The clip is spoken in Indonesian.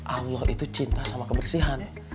allah itu cinta sama kebersihan